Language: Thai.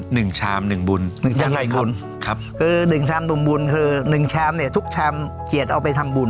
ชามหนึ่งบุญหนึ่งยังไงบุญครับคือหนึ่งชามดุ่มบุญคือหนึ่งชามเนี้ยทุกชามเกียรติเอาไปทำบุญ